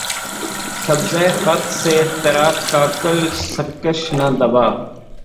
سبزۂ خط سے ترا کاکل سرکش نہ دبا